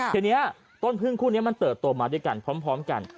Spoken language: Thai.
ทีนี้ต้นพึ่งคู่นี้มันเติบโตมาด้วยกันพร้อมกัน